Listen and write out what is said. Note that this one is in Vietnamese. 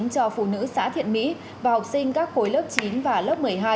cho phụ nữ xã thiện mỹ và học sinh các khối lớp chín và lớp một mươi hai